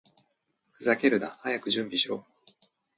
ふざけるな！早く準備しろ！